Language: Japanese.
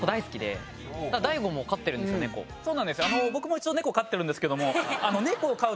僕も一応ネコ飼ってるんですけども。